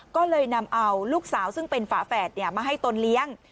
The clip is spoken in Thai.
ก็เลยนำเอาลูกสาวซึ่งเป็นฝาแฝดมาให้ตนเลี้ยง